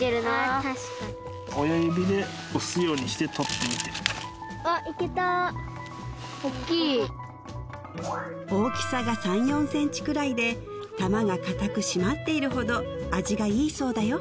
確かにあっいけた大きさが３４ｃｍくらいで球が硬くしまっているほど味がいいそうだよ